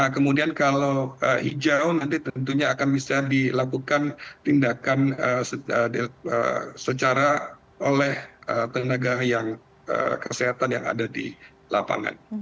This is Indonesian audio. kemudian kalau hijau nanti tentunya akan bisa dilakukan tindakan secara oleh tenaga kesehatan yang ada di lapangan